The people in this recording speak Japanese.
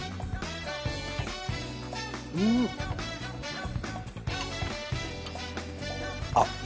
うん！あっ！